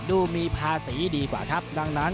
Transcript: ดูมีภาษีดีกว่าครับดังนั้น